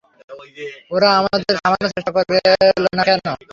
ওরা আমাদের থামানোর কোনো চেষ্টা করলো না কেন?